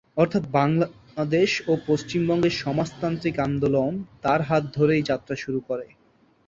অর্থাৎ বাংলাদেশ ও পশ্চিমবঙ্গে সমাজতান্ত্রিক আন্দোলন তার হাত ধরেই যাত্রা শুরু করে।